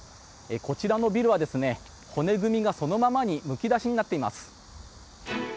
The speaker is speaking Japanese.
こちらのビルは骨組みがそのままにむき出しになっています。